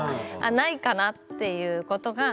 ないかなっていうことが。